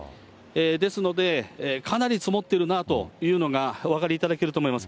ですので、かなり積もっているなというのがお分かりいただけると思います。